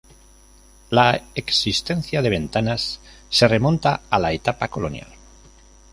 La existencia de Ventanas se remonta a la etapa colonial.